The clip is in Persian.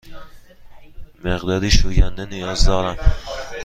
مقداری شوینده نیاز دارم.